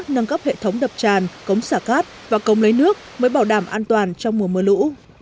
nâng cấp hệ thống đập tràn cống xả cát và cống lấy nước mới bảo đảm an toàn trong mùa mưa lũ